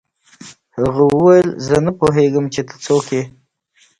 هغه وویل زه نه پوهېږم چې ته څوک یې